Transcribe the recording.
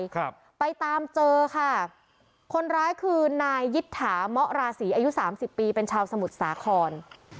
ครับไปตามเจอค่ะคนร้ายคือนายยิตถามาะราศีอายุสามสิบปีเป็นชาวสมุทรสาคร